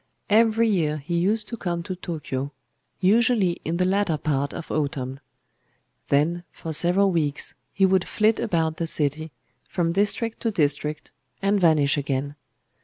Every year he used to come to Tōkyō,—usually in the latter part of autumn. Then, for several weeks, he would flit about the city, from district to district, and vanish again.